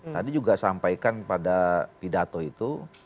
tadi juga sampaikan pada pidato itu